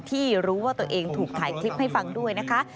ที่รู้ว่าตัวเองถูกถ่ายคลิปให้ฟังด้วยนะคะ